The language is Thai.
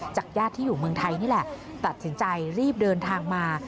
ญาติที่อยู่เมืองไทยนี่แหละตัดสินใจรีบเดินทางมา